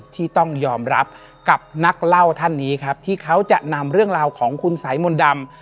ที่ต้องยอมรับกับนักเล่าท่านนี้ครับที่เขาจะนำเรื่องราวของคุณสายมนต์ดำ